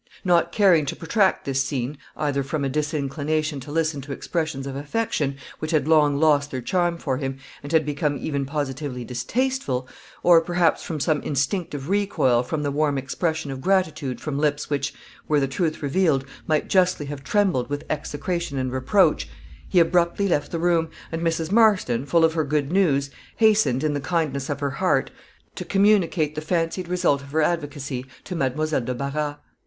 Not caring to protract this scene either from a disinclination to listen to expressions of affection, which had long lost their charm for him, and had become even positively distasteful, or perhaps from some instinctive recoil from the warm expression of gratitude from lips which, were the truth revealed, might justly have trembled with execration and reproach he abruptly left the room, and Mrs. Marston, full of her good news, hastened, in the kindness of her heart, to communicate the fancied result of her advocacy to Mademoiselle de Barras.